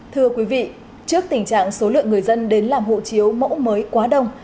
thưa quý vị trước tình trạng số lượng người dân đến làm hộ chiếu mẫu mới quá đông